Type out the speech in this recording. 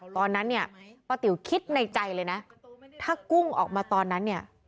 ตอนนั้นเนี่ยป้าติ๋วคิดในใจเลยนะถ้ากุ้งออกมาตอนนั้นเนี่ย